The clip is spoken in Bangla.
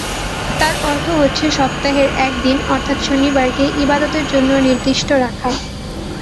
তার অর্থ হচ্ছে সপ্তাহের একদিন অর্থাৎ শনিবারকে ইবাদতের জন্যে নির্দিষ্ট রাখা।